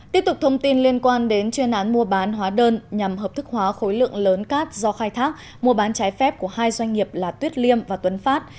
tiếp tục thông tin liên quan đến chuyên án mua bán hóa đơn nhằm hợp thức hóa khối lượng lớn cát do khai thác mua bán trái phép của hai doanh nghiệp là tuyết liêm và tuấn phát